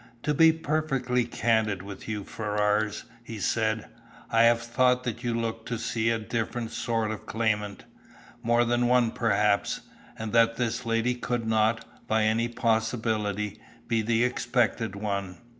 "To be perfectly candid with you, Ferrars," he said, "I have thought that you looked to see a different sort of claimant, more than one perhaps, and that this lady could not, by any possibility, be the expected one.